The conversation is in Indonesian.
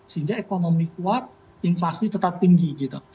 sehingga ekonomi kuat inflasi tetap tinggi gitu